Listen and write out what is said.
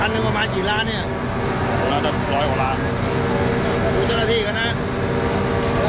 ร้านนึงประมาณกี่ล้านเนี้ยร้านนั้นร้อยกว่าร้านดูเจ้าหน้าที่ครับนะฮะ